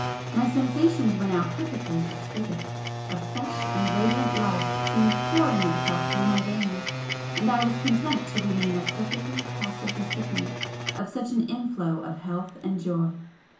My sensations were now perfectly exquisite; a fresh and radiant life seemed pouring itself through my veins, and I was content to remain a perfectly passive recipient of such an inflow of health and joy.